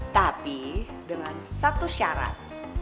tapi dengan satu syarat